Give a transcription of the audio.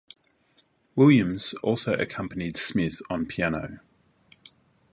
Williams also accompanied Smith on piano.